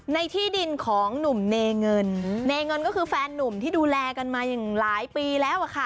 ในที่ดินของหนุ่มเนเงินเนเงินก็คือแฟนนุ่มที่ดูแลกันมาอย่างหลายปีแล้วอะค่ะ